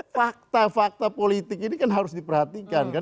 fakta fakta politik ini kan harus diperhatikan kan